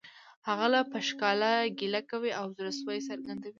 هغه له پشکاله ګیله کوي او زړه سوی څرګندوي